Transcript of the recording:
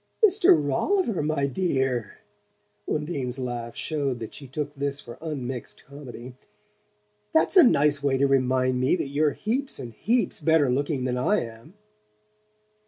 "Mr. Rolliver, my dear?" Undine's laugh showed that she took this for unmixed comedy. "That's a nice way to remind me that you're heaps and heaps better looking than I am!"